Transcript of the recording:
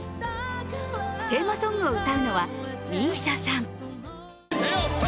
テーマソングを歌うのはＭＩＳＩＡさん。